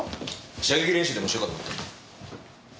射撃練習でもしようかと思って。